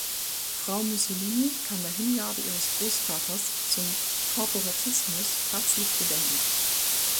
Frau Mussolini kann der Hingabe ihres Großvaters zum Korporatismus herzlich gedenken.